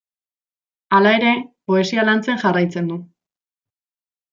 Hala ere, poesia lantzen jarraitzen du.